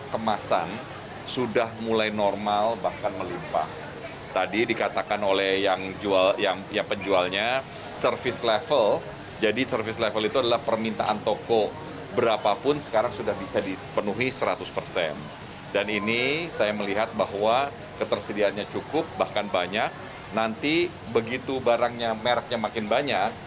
karena nanti begitu barangnya merknya makin banyak